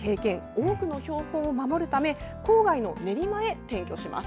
多くの標本を守るため郊外の練馬へ転居します。